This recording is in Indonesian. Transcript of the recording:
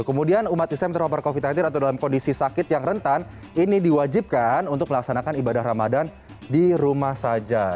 kemudian umat islam terpapar covid sembilan belas atau dalam kondisi sakit yang rentan ini diwajibkan untuk melaksanakan ibadah ramadan di rumah saja